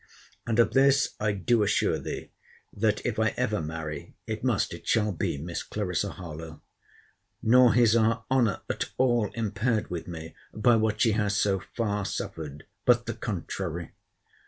And of this I do assure thee, that, if I ever marry, it must, it shall be Miss Clarissa Harlowe.—Nor is her honour at all impaired with me, by what she has so far suffered: but the contrary.